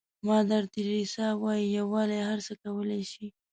مادر تریسا وایي یووالی هر څه کولای شي.